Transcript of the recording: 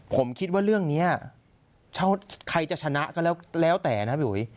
ผมคิดว่าเรื่องนี้ใครจะชนะก็แล้วแต่นะพี่อุ๋ย